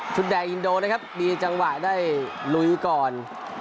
แดงอินโดนะครับมีจังหวะได้ลุยก่อน